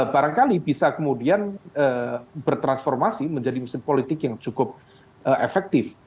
barangkali bisa kemudian bertransformasi menjadi mesin politik yang cukup efektif